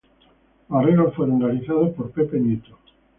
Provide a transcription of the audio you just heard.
Los arreglos fueron realizados por Pepe Nieto.